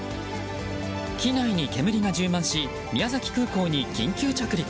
機内に煙が充満し宮崎空港に緊急着陸。